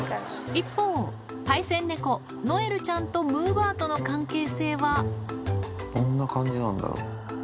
一方パイセン猫ノエルちゃんとむぅばあとの関係性はどんな感じなんだろう？